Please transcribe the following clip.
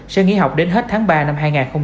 sẽ nghỉ học đến hết tháng ba năm hai nghìn hai mươi